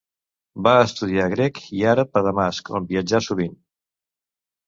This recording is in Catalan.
Va estudiar grec i àrab a Damasc, on viatjà sovint.